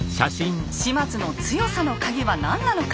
島津の強さの鍵は何なのか。